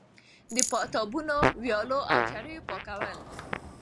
د پاتابونو، ويالو او چريو پاکول